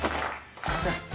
すいません。